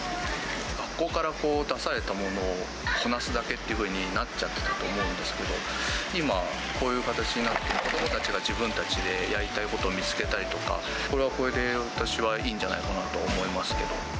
学校から出されたものをこなすだけっていうふうになっちゃっていたと思うんですけど、今、こういう形になって、子どもたちが自分たちでやりたいことを見つけたりとか、これはこれで私はいいんじゃないかなと思いますけど。